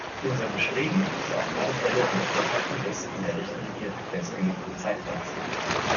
Unser Bestreben ist auf alle Fälle die Einhaltung des in der Richtlinie festgelegten Zeitplans.